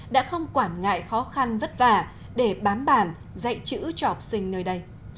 đã không quản ngại khó khăn vất vả để bám bản dạy chữ cho học sinh nơi đây